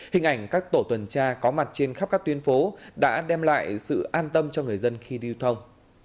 hình ảnh các tổ tuần tra có mặt trên khắp các tuyến phố đã đem lại sự an tâm cho người dân khi điêu thông